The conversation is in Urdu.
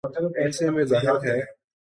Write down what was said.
ایسے میں ظاہر ہے۔